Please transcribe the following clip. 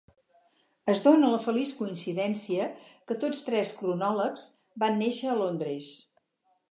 Es dóna la feliç coincidència que tots tres cronòlegs van néixer a Londres.